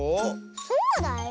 そうだよ。